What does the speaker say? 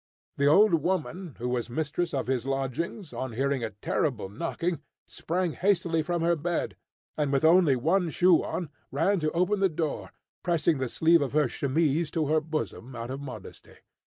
The old woman, who was mistress of his lodgings, on hearing a terrible knocking, sprang hastily from her bed, and, with only one shoe on, ran to open the door, pressing the sleeve of her chemise to her bosom out of modesty.